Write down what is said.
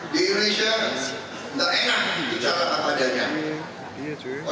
di indonesia enggak enak bicara apa adanya